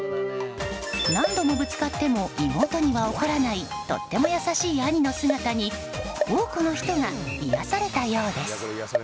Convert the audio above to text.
何度もぶつかっても妹には怒らないとても優しい兄の姿に多くの人が癒やされたようです。